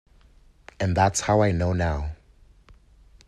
And that's how I know how.